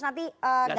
nanti gak selesai juga